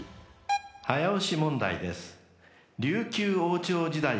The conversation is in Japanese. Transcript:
［早押し問題です］